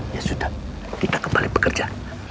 ya sudah kita kembali bekerja